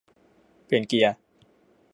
เปลี่ยนเกียร์